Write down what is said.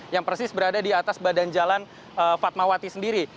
yang persis berada di atas badan jalan fatmawati sendiri